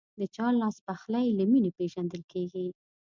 د چا لاسپخلی له مینې پیژندل کېږي.